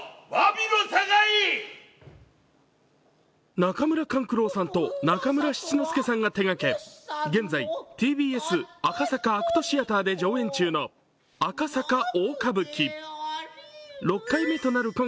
中村勘九郎さんと中村七之助さんが手がけ、現在、ＴＢＳ赤坂ＡＣＴシアターで上演中の「赤坂大歌舞伎」。